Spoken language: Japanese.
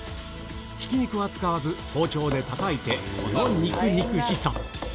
ひき肉は使わず、包丁でたたいてこの肉々しさ。